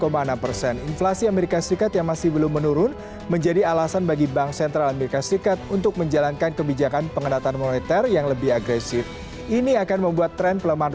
melakukan intervensi untuk menjaga rupiah